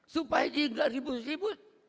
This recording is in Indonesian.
supaya dia nggak ribut ribut